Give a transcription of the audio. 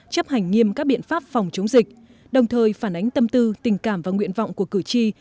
chấp hành nghiêm các biện pháp phòng chống dịch đồng thời phản ánh tâm tư tình cảm và nguyện vọng của cử tri